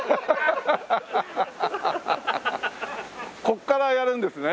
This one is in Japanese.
ここからやるんですね。